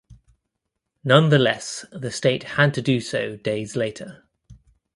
Nonetheless the state had to do so days later.